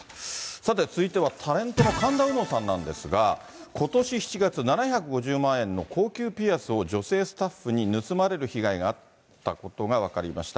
さて、続いてはタレントの神田うのさんなんですが、ことし７月、７５０万円の高級ピアスを女性スタッフに盗まれる被害があったことが分かりました。